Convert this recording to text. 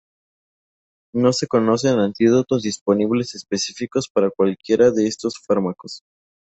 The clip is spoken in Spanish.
No se conocen antídotos disponibles específicos para cualquiera de estos fármacos.